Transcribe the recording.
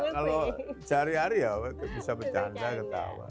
kalau sehari hari ya bisa bercanda ketawa